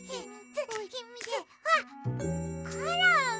あっコロン。